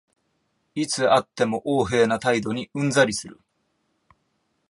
いつ会っても横柄な態度にうんざりする